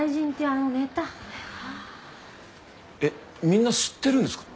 えっみんな知ってるんですか？